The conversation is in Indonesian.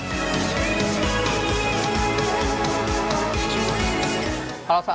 koki selalu memasang timer agar pemanggangan adonan tidak terlalu mudah